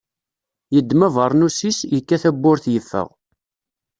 Yeddem abernus-is, yekka tawwurt yeffeɣ.